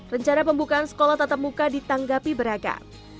rencana pembukaan sekolah tatap muka ditanggapi beragam